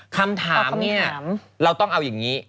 คำถามเนี่ยเราต้องเอาอย่างนี้